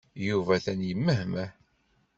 Yuba atan yemmehmeh.